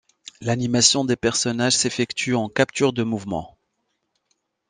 L'animation des personnages s'effectue en capture de mouvement.